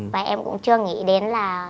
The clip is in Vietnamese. và em cũng chưa nghĩ đến là